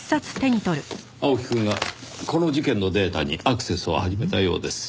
青木くんがこの事件のデータにアクセスを始めたようです。